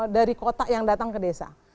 dari kota yang datang ke desa